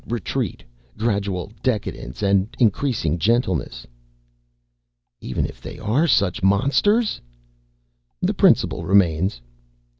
Retreat. Gradual decadence and increasing gentleness." "Even if they are such monsters?" "The principle remains."